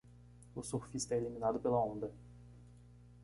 O surfista é eliminado pela onda.